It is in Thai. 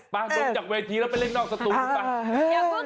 ป่ะลุกจากเวทีแล้วไปเล่นนอกสตูป่ะอย่าพึ่งลง